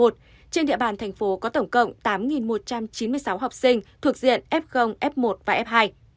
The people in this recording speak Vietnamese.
trên địa bàn thành phố có tổng cộng tám một trăm chín mươi sáu học sinh thuộc diện f f một và f hai